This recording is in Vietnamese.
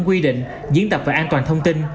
quy định diễn tập về an toàn thông tin